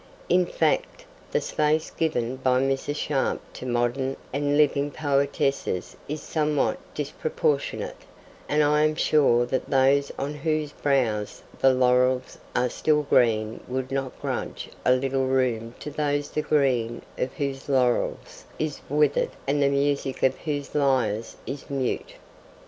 In fact, the space given by Mrs. Sharp to modern and living poetesses is somewhat disproportionate, and I am sure that those on whose brows the laurels are still green would not grudge a little room to those the green of whose laurels is withered and the music of whose lyres is mute.